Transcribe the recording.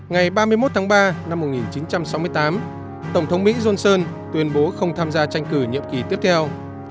ngày ba mươi một tháng ba năm một nghìn chín trăm sáu mươi tám tổng thống mỹ johnson tuyên bố không tham gia tranh cử nhiệm kỳ tiếp theo